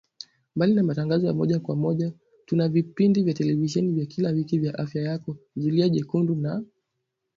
Mbali na matangazo ya moja kwa moja tuna vipindi vya televisheni vya kila wiki vya Afya Yako, Zulia Jekundu na